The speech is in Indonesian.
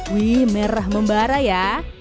wih merah membara ya